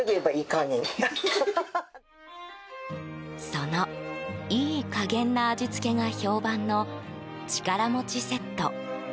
その、良い加減な味付けが評判の力餅セット。